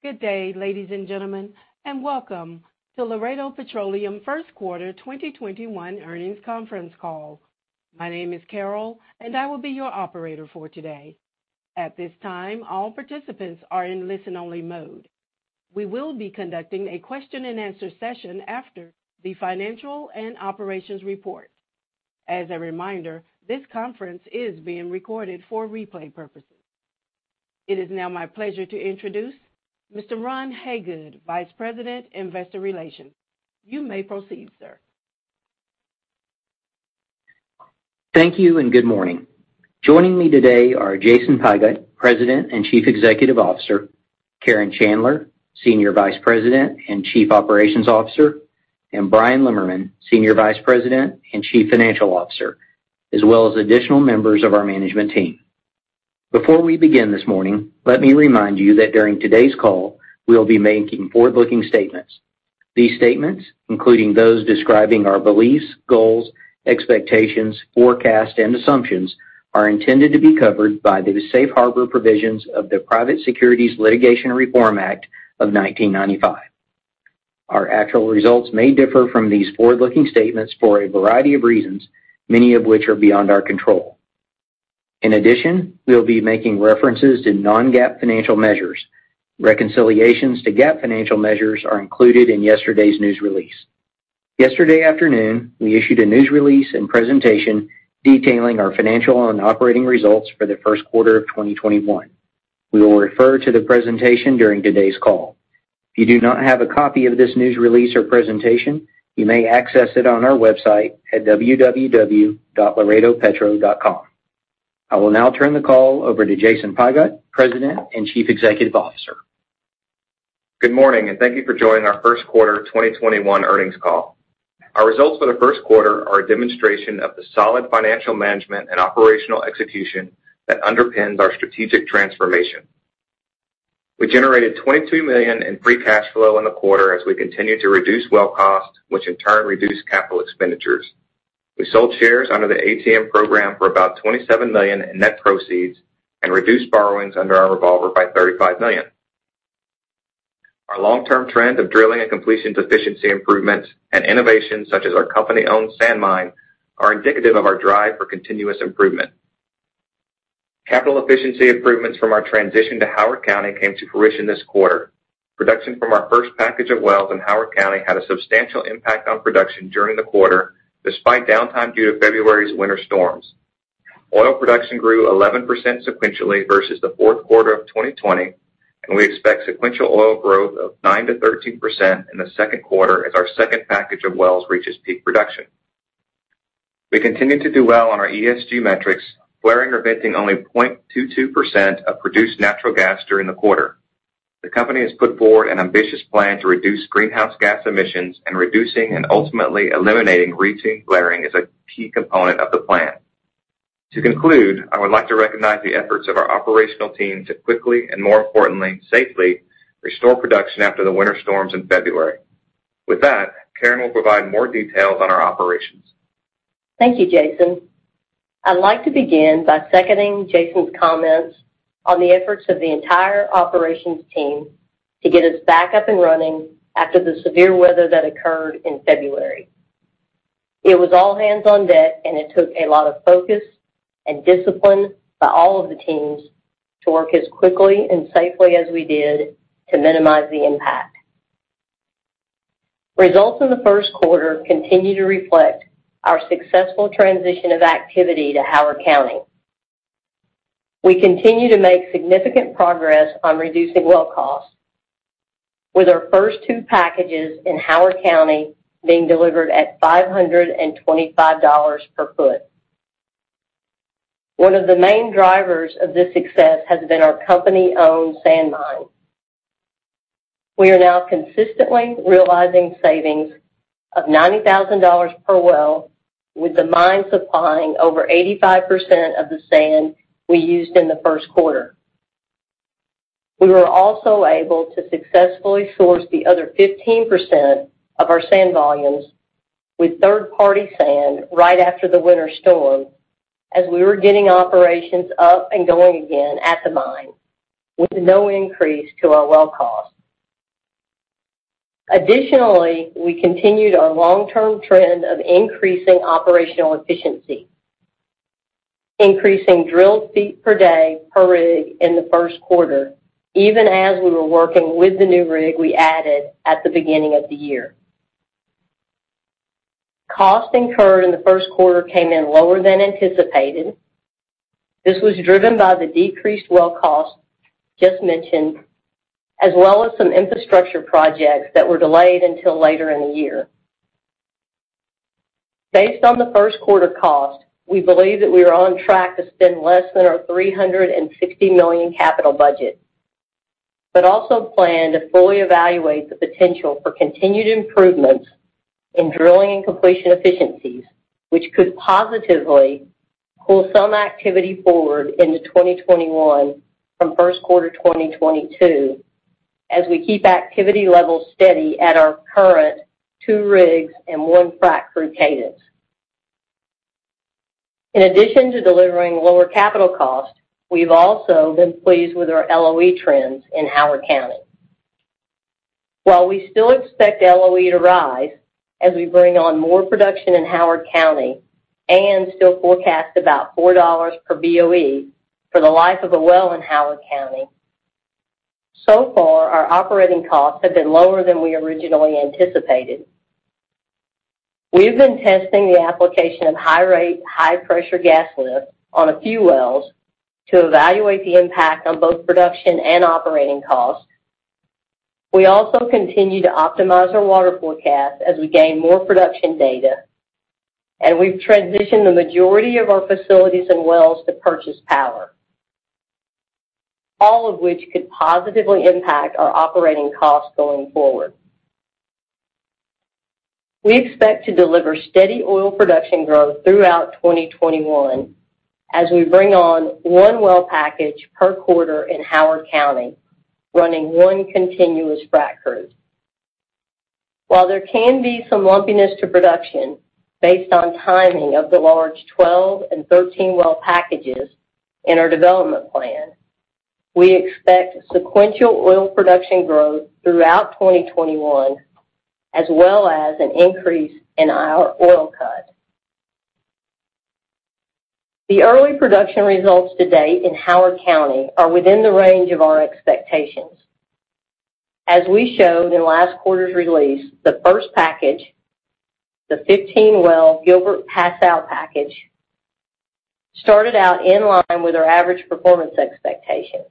Good day, ladies and gentlemen, welcome to Vital Energy first quarter 2021 earnings conference call. My name is Carol, and I will be your operator for today. At this time, all participants are in listen-only mode. We will be conducting a question and answer session after the financial and operations report. As a reminder, this conference is being recorded for replay purposes. It is now my pleasure to introduce Mr. Ron Hagood, Vice President, Investor Relations. You may proceed, sir. Thank you, and good morning. Joining me today are Jason Pigott, President and Chief Executive Officer, Karen Chandler, Senior Vice President and Chief Operations Officer, and Bryan Lemmerman, Executive Vice President and Chief Financial Officer, as well as additional members of our management team. Before we begin this morning, let me remind you that during today's call, we'll be making forward-looking statements. These statements, including those describing our beliefs, goals, expectations, forecasts, and assumptions, are intended to be covered by the safe harbor provisions of the Private Securities Litigation Reform Act of 1995. Our actual results may differ from these forward-looking statements for a variety of reasons, many of which are beyond our control. In addition, we'll be making references to non-GAAP financial measures. Reconciliations to GAAP financial measures are included in yesterday's news release. Yesterday afternoon, we issued a news release and presentation detailing our financial and operating results for the first quarter of 2021. We will refer to the presentation during today's call. If you do not have a copy of this news release or presentation, you may access it on our website at www.laredopetro.com. I will now turn the call over to Jason Pigott, President and Chief Executive Officer. Good morning, and thank you for joining our first quarter 2021 earnings call. Our results for the first quarter are a demonstration of the solid financial management and operational execution that underpins our strategic transformation. We generated $22 million in free cash flow in the quarter as we continued to reduce well cost, which in turn reduced capital expenditures. We sold shares under the ATM program for about $27 million in net proceeds and reduced borrowings under our revolver by $35 million. Our long-term trend of drilling and completion efficiency improvements and innovations such our company-owned sand mine are indicative of our drive for continuous improvement. Capital efficiency improvements from our transition to Howard County came to fruition this quarter. Production from our first package of wells in Howard County had a substantial impact on production during the quarter, despite downtime due to February's Winter Storm Uri. Oil production grew 11% sequentially versus the fourth quarter of 2020. We expect sequential oil growth of 9%-13% in the second quarter as our second package of wells reaches peak production. We continue to do well on our ESG metrics, flaring or venting only 0.22% of produced natural gas during the quarter. The company has put forward an ambitious plan to reduce greenhouse gas emissions. Reducing and ultimately eliminating routine flaring is a key component of the plan. To conclude, I would like to recognize the efforts of our operational team to quickly and, more importantly, safely restore production after the Winter Storm Uri in February. With that, Karen will provide more details on our operations. Thank you, Jason. I'd like to begin by seconding Jason's comments on the efforts of the entire operations team to get us back up and running after the severe weather that occurred in February. It was all hands on deck, and it took a lot of focus and discipline by all of the teams to work as quickly and safely as we did to minimize the impact. Results in the first quarter continue to reflect our successful transition of activity to Howard County. We continue to make significant progress on reducing well costs, with our first two packages in Howard County being delivered at $525 /ft. One of the main drivers of this success has been our company-owned sand mine. We are now consistently realizing savings of $90,000 per well, with the mine supplying over 85% of the sand we used in the first quarter. We were also able to successfully source the other 15% of our sand volumes with third-party sand right after the winter storm as we were getting operations up and going again at the mine, with no increase to our well cost. Additionally, we continued our long-term trend of increasing operational efficiency. Increasing drilled feet per day per rig in the first quarter, even as we were working with the new rig we added at the beginning of the year. Cost incurred in the first quarter came in lower than anticipated. This was driven by the decreased well cost just mentioned, as well as some infrastructure projects that were delayed until later in the year. Based on the first quarter cost, we believe that we are on track to spend less than our $360 million capital budget, but also plan to fully evaluate the potential for continued improvements in drilling and completion efficiencies, which could positively pull some activity forward into 2021 from first quarter 2022, as we keep activity levels steady at our current two rigs and one frac crew cadence. In addition to delivering lower capital costs, we've also been pleased with our LOE trends in Howard County. While we still expect LOE to rise as we bring on more production in Howard County and still forecast about $4 per BOE for the life of a well in Howard County, so far our operating costs have been lower than we originally anticipated. We've been testing the application of high-rate, high-pressure gas lift on a few wells to evaluate the impact on both production and operating costs. We also continue to optimize our water forecast as we gain more production data, and we've transitioned the majority of our facilities and wells to purchase power. All of which could positively impact our operating costs going forward. We expect to deliver steady oil production growth throughout 2021 as we bring on one well package per quarter in Howard County, running one continuous frac crew. While there can be some lumpiness to production based on timing of the large 12 and 13 well packages in our development plan, we expect sequential oil production growth throughout 2021, as well as an increase in our oil cut. The early production results to date in Howard County are within the range of our expectations. As we showed in last quarter's release, the first package, the 15-well Gilbert/Passow package, started out in line with our average performance expectations.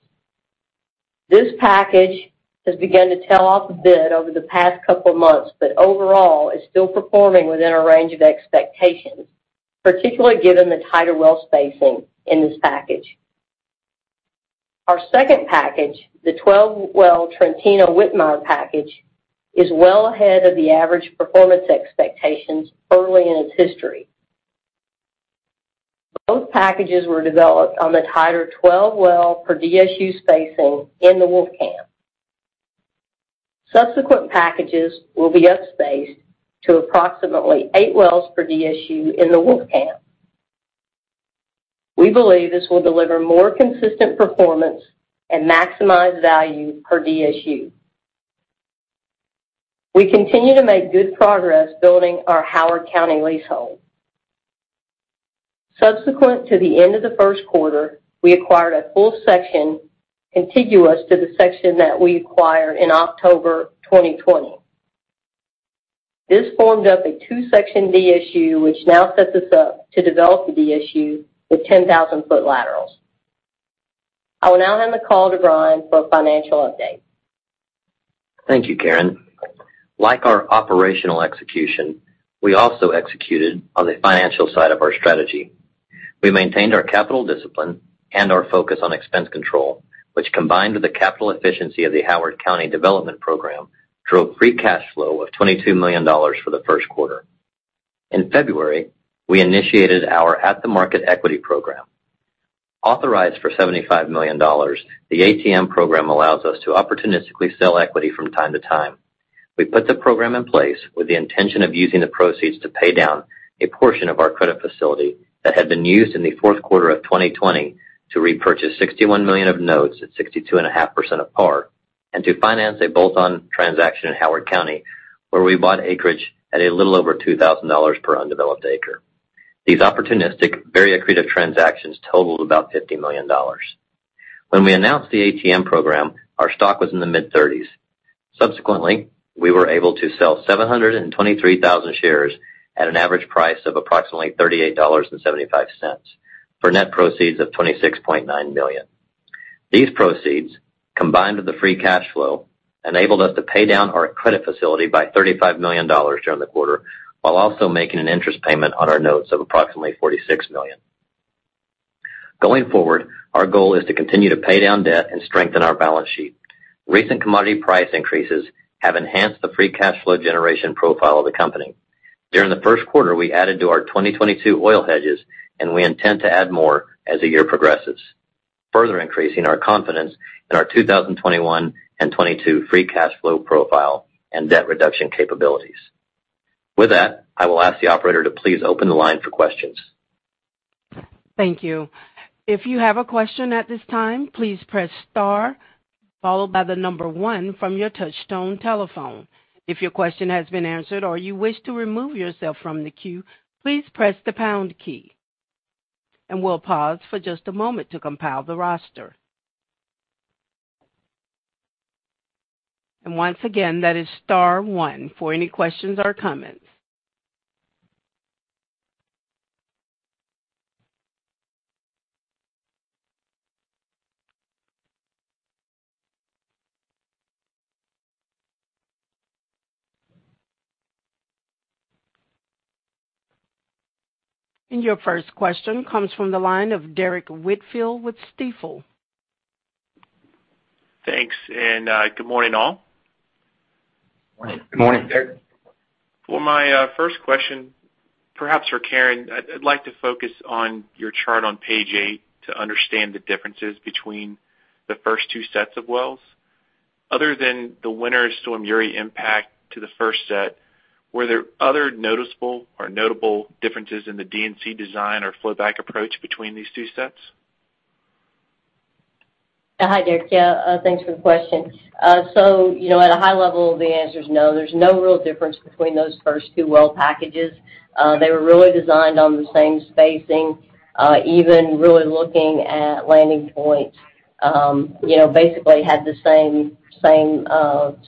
This package has begun to tail off a bit over the past couple of months, but overall is still performing within our range of expectations, particularly given the tighter well spacing in this package. Our second package, the 12-well Trentino/Whitmire packages, is well ahead of the average performance expectations early in its history. Both packages were developed on the tighter 12 well per DSU spacing in the Wolfcamp. Subsequent packages will be up spaced to approximately eight wells per DSU in the Wolfcamp. We believe this will deliver more consistent performance and maximize value per DSU. We continue to make good progress building our Howard County leasehold. Subsequent to the end of the first quarter, we acquired a full section contiguous to the section that we acquired in October 2020. This formed up a two-section DSU, which now sets us up to develop a DSU with 10,000-foot laterals. I will now hand the call to Bryan for a financial update. Thank you, Karen. Like our operational execution, we also executed on the financial side of our strategy. We maintained our capital discipline and our focus on expense control, which combined with the capital efficiency of the Howard County development program, drove free cash flow of $22 million for the first quarter. In February, we initiated our at-the-market equity program. Authorized for $75 million, the ATM program allows us to opportunistically sell equity from time to time. We put the program in place with the intention of using the proceeds to pay down a portion of our credit facility that had been used in the fourth quarter of 2020 to repurchase $61 million of notes at 62.5% of par and to finance a bolt-on transaction in Howard County, where we bought acreage at a little over $2,000 per undeveloped acre. These opportunistic, very accretive transactions totaled about $50 million. When we announced the ATM program, our stock was in the mid-30s. Subsequently, we were able to sell 723,000 shares at an average price of approximately $38.75 for net proceeds of $26.9 million. These proceeds, combined with the free cash flow, enabled us to pay down our credit facility by $35 million during the quarter, while also making an interest payment on our notes of approximately $46 million. Going forward, our goal is to continue to pay down debt and strengthen our balance sheet. Recent commodity price increases have enhanced the free cash flow generation profile of the company. During the first quarter, we added to our 2022 oil hedges, and we intend to add more as the year progresses, further increasing our confidence in our 2021 and 2022 free cash flow profile and debt reduction capabilities. With that, I will ask the operator to please open the line for questions. Thank you. If you have a question at this time please press star followed by the number one from your touch-tone on your telephone. Your first question comes from the line of Derrick Whitfield with Stifel. Thanks, good morning, all. Morning. Good morning, Derrick. For my first question, perhaps for Karen, I'd like to focus on your chart on page eight to understand the differences between the first two sets of wells. Other than the Winter Storm Uri impact to the first set, were there other noticeable or notable differences in the D&C design or flowback approach between these two sets? Hi, Derrick. Yeah. Thanks for the question. At a high level, the answer's no. There's no real difference between those first two well packages. They were really designed on the same spacing. Even really looking at landing points, basically had the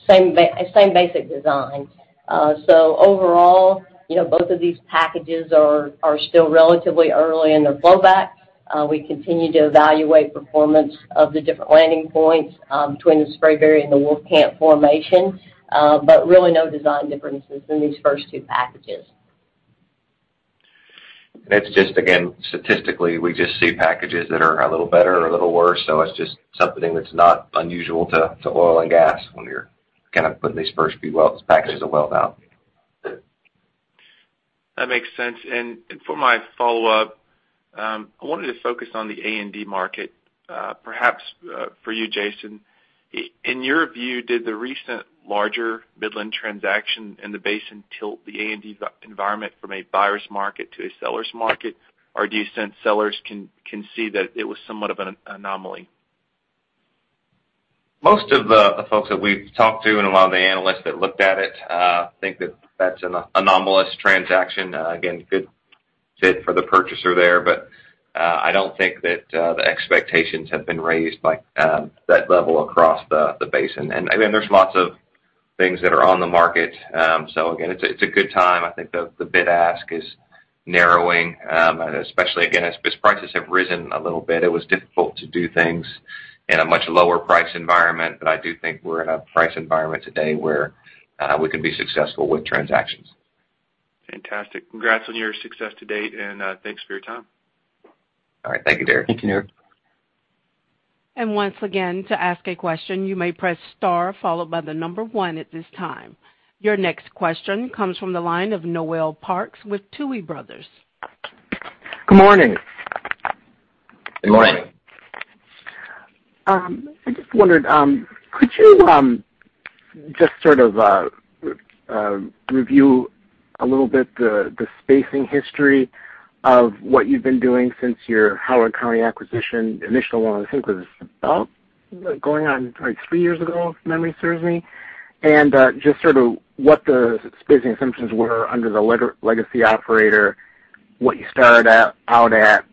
same basic design. Overall, both of these packages are still relatively early in their flowback. We continue to evaluate performance of the different landing points between the Spraberry and the Wolfcamp formation. Really no design differences in these first two packages. It's just, again, statistically, we just see packages that are a little better or a little worse. It's just something that's not unusual to oil and gas when we're putting these first few packages of well out. That makes sense. For my follow-up, I wanted to focus on the A&D market, perhaps, for you, Jason. In your view, did the recent larger Midland transaction in the basin tilt the A&D environment from a buyer's market to a seller's market? Do you sense sellers can see that it was somewhat of an anomaly? Most of the folks that we've talked to, and a lot of the analysts that looked at it, think that that's an anomalous transaction. Good fit for the purchaser there, but I don't think that the expectations have been raised by that level across the basin. There's lots of things that are on the market. It's a good time. I think the bid-ask is narrowing. Especially, again, as prices have risen a little bit. It was difficult to do things in a much lower price environment. I do think we're in a price environment today where we can be successful with transactions. Fantastic. Congrats on your success to date, and thanks for your time. All right. Thank you, Derrick. Thank you. Your next question comes from the line of Noel Parks with Tuohy Brothers. Good morning. Good morning. I just wondered, could you just sort of review a little bit the spacing history of what you've been doing since your Howard County acquisition? Initial one, I think, was about going on three years ago, if memory serves me. Just sort of what the spacing assumptions were under the legacy operator, what you started out at,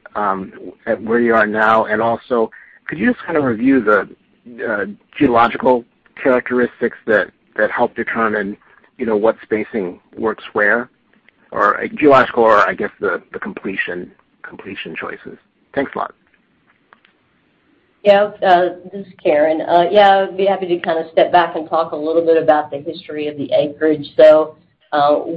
where you are now, and also, could you just review the geological characteristics that help determine what spacing works where? Geological or, I guess, the completion choices. Thanks a lot. This is Karen. I'd be happy to step back and talk a little bit about the history of the acreage.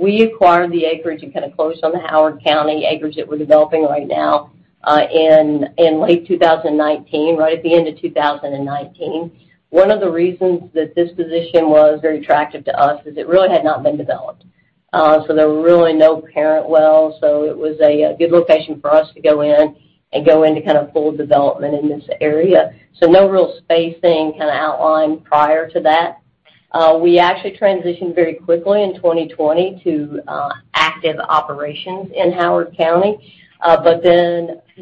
We acquired the acreage and closed on the Howard County acreage that we're developing right now in late 2019, right at the end of 2019. One of the reasons that this position was very attractive to us is it really had not been developed. There were really no parent wells. It was a good location for us to go in and go into full development in this area. No real spacing outlined prior to that. We actually transitioned very quickly in 2020 to active operations in Howard County.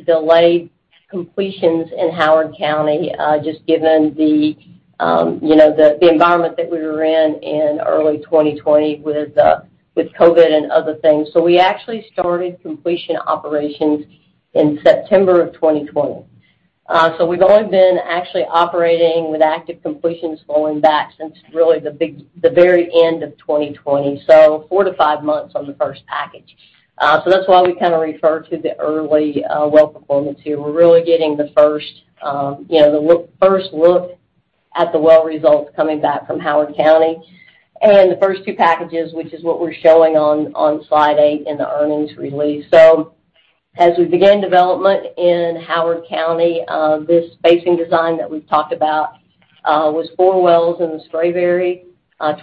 Delayed completions in Howard County, just given the environment that we were in in early 2020 with COVID and other things. We actually started completion operations in September of 2020. We've only been actually operating with active completions flowing back since really the very end of 2020. Four to five months on the first package. That's why we refer to the early well performance here. We're really getting the first look at the well results coming back from Howard County and the first two packages, which is what we're showing on slide eight in the earnings release. As we began development in Howard County, this spacing design that we've talked about was four wells in the Spraberry,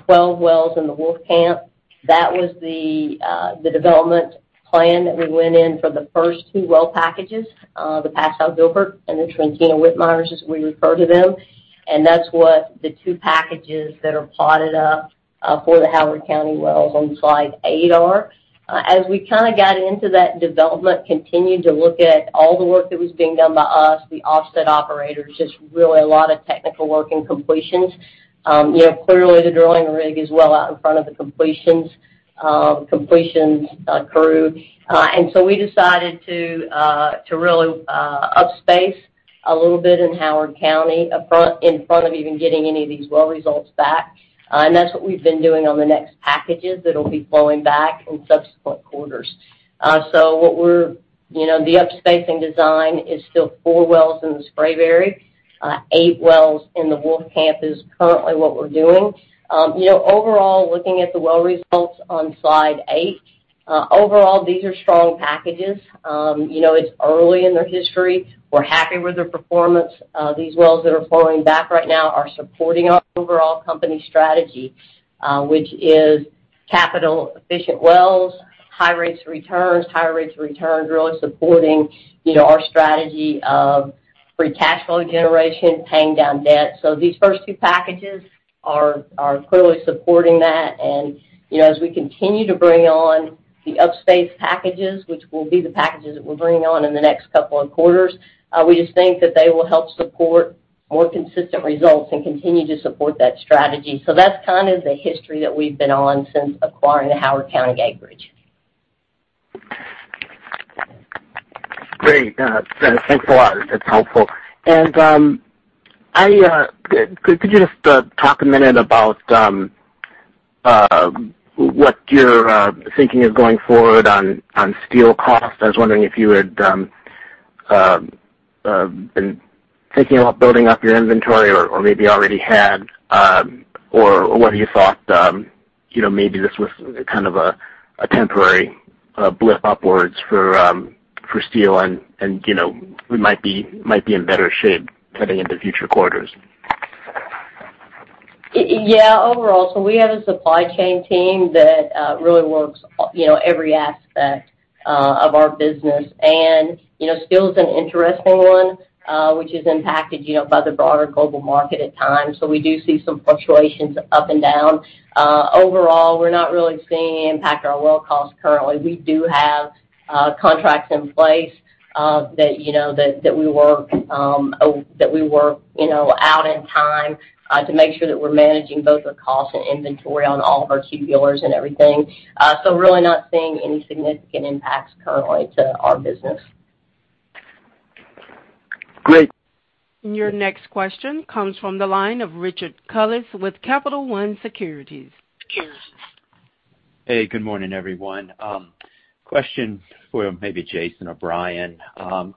12 wells in the Wolfcamp. That was the development plan that we went in for the first two well packages, the Gilbert/Passow and the Trentino/Whitmire packages, as we refer to them, and that's what the two packages that are plotted up for the Howard County wells on slide eight are. As we got into that development, continued to look at all the work that was being done by us, the offset operators, just really a lot of technical work in completions. Clearly, the drilling rig is well out in front of the completions crew. We decided to really up-space a little bit in Howard County in front of even getting any of these well results back. That's what we've been doing on the next packages that'll be flowing back in subsequent quarters. The up-spacing design is still four wells in the Spraberry, eight wells in the Wolfcamp is currently what we're doing. Overall, looking at the well results on slide eight, overall, these are strong packages. It's early in their history. We're happy with their performance. These wells that are flowing back right now are supporting our overall company strategy, which is capital efficient wells, high rates of returns. High rates of returns really supporting our strategy of free cash flow generation, paying down debt. These first two packages are clearly supporting that. As we continue to bring on the up-space packages, which will be the packages that we're bringing on in the next couple of quarters, we just think that they will help support more consistent results and continue to support that strategy. That's the history that we've been on since acquiring the Howard County acreage. Great. Thanks a lot. That's helpful. Could you just talk a minute about what you're thinking of going forward on steel costs? I was wondering if you had been thinking about building up your inventory or maybe already had, or whether you thought maybe this was kind of a temporary blip upwards for steel and we might be in better shape heading into future quarters. Yeah. Overall, we have a supply chain team that really works every aspect of our business. Steel's an interesting one, which is impacted by the broader global market at times. We do see some fluctuations up and down. Overall, we're not really seeing it impact our well costs currently. We do have contracts in place that we work out in time to make sure that we're managing both the cost and inventory on all of our tubulars and everything. Really not seeing any significant impacts currently to our business. Great. Your next question comes from the line of Richard Tullis with Capital One Securities. Hey, good morning, everyone. Question for maybe Jason or Bryan.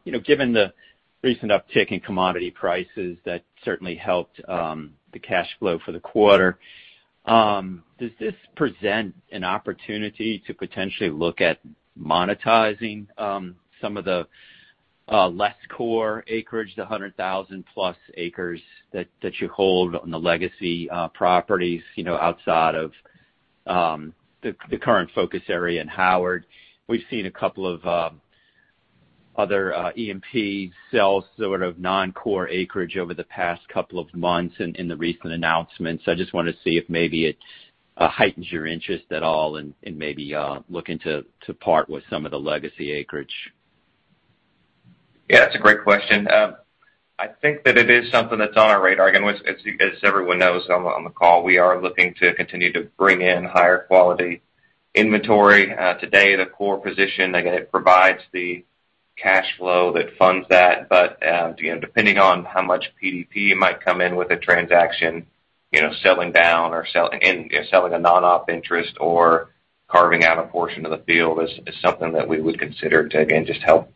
Given the recent uptick in commodity prices, that certainly helped the cash flow for the quarter. Does this present an opportunity to potentially look at monetizing some of the less core acreage, the 100,000-plus acres that you hold on the legacy properties outside of the current focus area in Howard? We've seen a couple of other E&P sell sort of non-core acreage over the past couple of months in the recent announcements. I just wanted to see if maybe it heightens your interest at all in maybe looking to part with some of the legacy acreage. Yeah, that's a great question. I think that it is something that's on our radar. Again, as everyone knows on the call, we are looking to continue to bring in higher quality inventory. Today, the core position, again, it provides the cash flow that funds that. Depending on how much PDP might come in with a transaction, selling down or selling a non-op interest or carving out a portion of the field is something that we would consider to, again, just help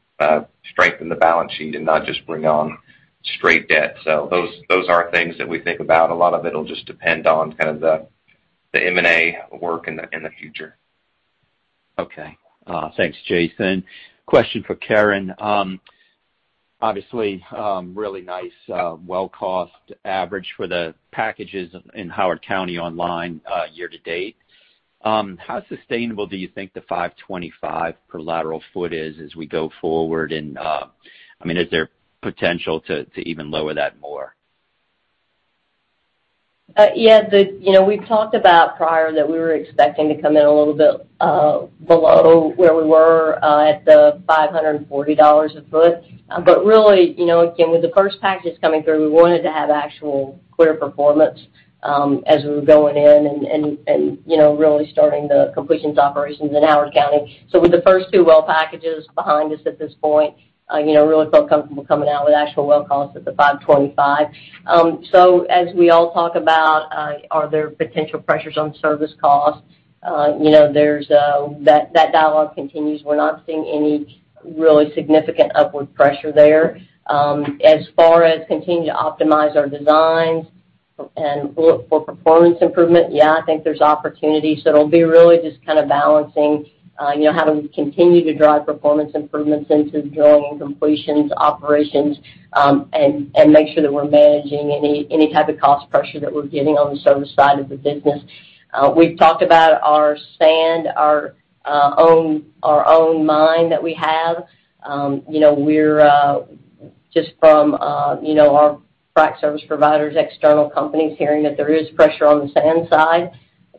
strengthen the balance sheet and not just bring on straight debt. Those are things that we think about. A lot of it'll just depend on the M&A work in the future. Okay. Thanks, Jason. Question for Karen. Obviously, really nice well cost average for the packages in Howard County online year to date. How sustainable do you think the $525 per lateral foot is as we go forward? Is there potential to even lower that more? We've talked about prior that we were expecting to come in a little bit below where we were at the $540 a foot. Really, again, with the first package coming through, we wanted to have actual clear performance as we were going in and really starting the completions operations in Howard County. With the first two well packages behind us at this point, really feel comfortable coming out with actual well costs at the $525. As we all talk about are there potential pressures on service costs? That dialogue continues. We're not seeing any really significant upward pressure there. As far as continuing to optimize our designs and look for performance improvement, I think there's opportunity. It'll be really just balancing how do we continue to drive performance improvements into drilling and completions operations, and make sure that we're managing any type of cost pressure that we're getting on the service side of the business. We've talked about our sand, our own mine that we have. We're just from our frac service providers, external companies hearing that there is pressure on the sand side,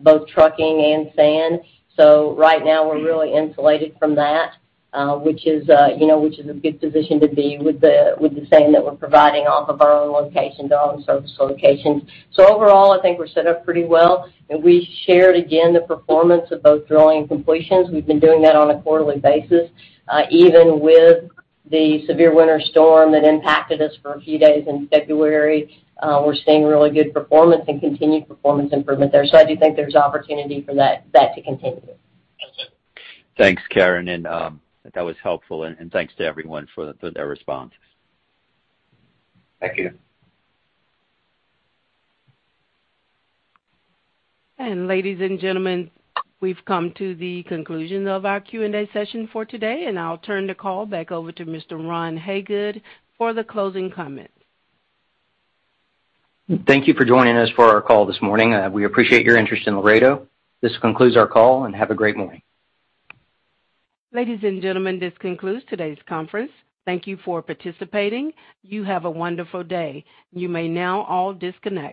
both trucking and sand. Right now, we're really insulated from that, which is a good position to be with the sand that we're providing off of our own locations, our own service locations. Overall, I think we're set up pretty well. We shared, again, the performance of both drilling and completions. We've been doing that on a quarterly basis. Even with the severe winter storm that impacted us for a few days in February, we're seeing really good performance and continued performance improvement there. I do think there's opportunity for that to continue. Thanks, Karen. That was helpful, and thanks to everyone for their responses. Thank you. Ladies and gentlemen, we've come to the conclusion of our Q&A session for today. I'll turn the call back over to Mr. Ron Hagood for the closing comments. Thank you for joining us for our call this morning. We appreciate your interest in Vital Energy. This concludes our call, and have a great morning. Ladies and gentlemen, this concludes today's conference. Thank you for participating. You have a wonderful day. You may now all disconnect.